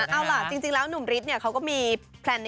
เอาล่ะจริงแล้วหนุ่มฤทธิ์เขาก็มีแพลน